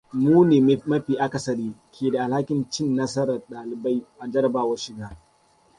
Mu ne, ma fi akasari, ke da alhakin cin nasarar dalibai a jarrabawar shiga.